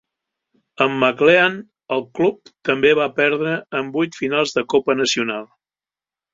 Amb McLean, el club també va perdre en vuit finals de copa nacional.